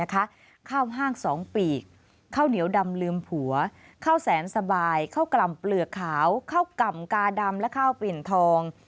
ข้าวห้าง๒ปีกข้าวเหนียวดำลืมผัวข้าวแสนสบายข้าวกล่ำเปลือกขาวข้าวกล่ำกาดำและข้าวปิ่นทอง